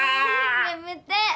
やめて。